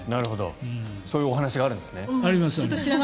そういうお話があるんですね。